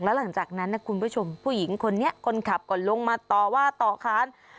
แล้วหลังจากนั้นนะคุณผู้ชมผู้หญิงคนนี้คนขับก็ลงมาต่อว่าต่อค้าน